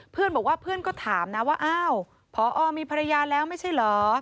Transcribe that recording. เพื่อนบอกว่าเพื่อนก็ถามนะว่าอ้าวพอมีภรรยาแล้วไม่ใช่เหรอ